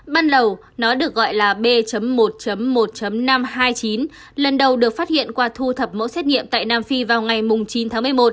ban đầu nó được gọi là b một một năm trăm hai mươi chín lần đầu được phát hiện qua thu thập mẫu xét nghiệm tại nam phi vào ngày chín tháng một mươi một